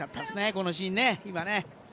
このシーンね、今ね。